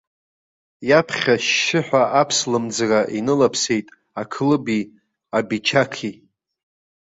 Иаԥхьа ашьшьыҳәа аԥслымӡра инылаԥсеит ақлыби абичақи.